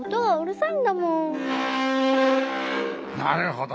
なるほど。